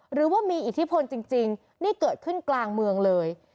หรือว่ามีอิทธิพลจริงนี่เกิดขึ้นกลางเมืองเลย